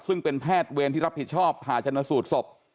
ซึ่งเป็นแพทย์เวรที่รับผิดชอบผ่าชนสูตรศพ